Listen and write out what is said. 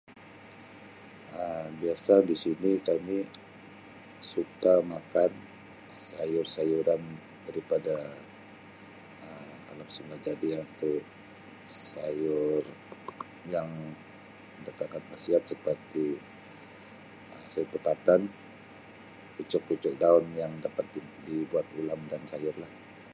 Um Biasa di sini kami suka makan sayur-sayuran daripada Um alam semula jadi iaitu sayur yang [unintelligible] khasiat seperti sayur tempatan, pucuk-pucuk daun yang dapat dibuat ulam dan sayur lah.